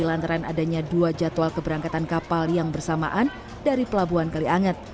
lantaran adanya dua jadwal keberangkatan kapal yang bersamaan dari pelabuhan kalianget